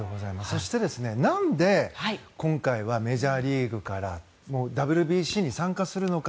そして、何で今回はメジャーリーグからＷＢＣに参加するのか。